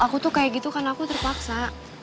aku tuh kayak gitu karena aku terpaksa